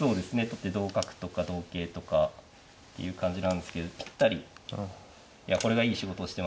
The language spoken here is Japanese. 取って同角とか同桂とかっていう感じなんですけどぴったりいやこれがいい仕事をしてますね。